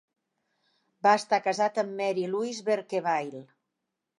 Va estar casat amb Mary Louise Berkebile.